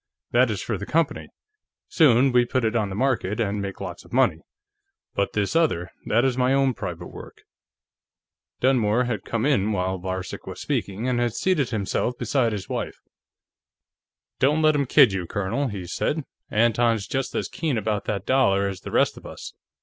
That is for the company; soon we put it on the market, and make lots of money. But this other, that is my own private work." Dunmore had come in while Varcek was speaking and had seated himself beside his wife. "Don't let him kid you, Colonel," he said. "Anton's just as keen about that dollar as the rest of us.